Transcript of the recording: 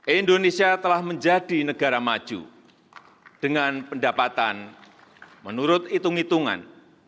indonesia telah menjadi negara maju dengan pendapatan menurut hitung hitungan